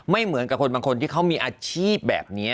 ไม่เหมือนกับคนบางคนที่เขามีอาชีพแบบนี้